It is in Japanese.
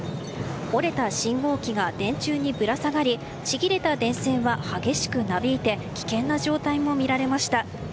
折れた信号機が電柱にぶら下がりちぎれた電線は激しくなびいて危険な状態も見られました。